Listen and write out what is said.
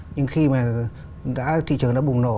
nhưng khi mà đã thị trường nó bùng nổ